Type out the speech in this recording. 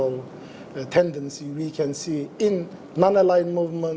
yang kita lihat di dalam pergerakan yang tidak berkelompok